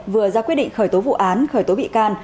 vừa ra quyết định khởi tố vụ án khởi tố bị can